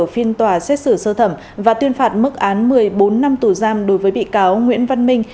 phiên tòa xét xử sơ thẩm và tuyên phạt mức án một mươi bốn năm tù giam đối với bị cáo nguyễn văn minh